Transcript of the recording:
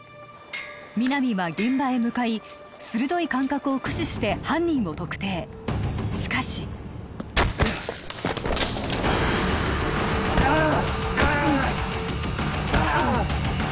皆実は現場へ向かい鋭い感覚を駆使して犯人を特定しかしあーっあーっあーっ！